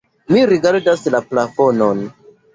Mi rigardas la plafonon.